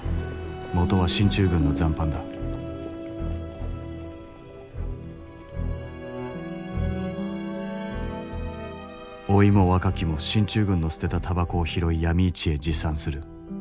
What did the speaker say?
元は進駐軍の残飯だ老いも若きも進駐軍の捨てたタバコを拾いヤミ市へ持参する。